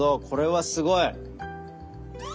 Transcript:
これはすごい！